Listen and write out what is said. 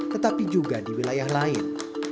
tetapi juga di wilayah lain